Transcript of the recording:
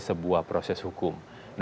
sebuah proses hukum